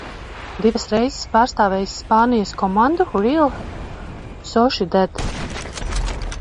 "Divas reizes pārstāvējis Spānijas komandu "Real Sociedad"."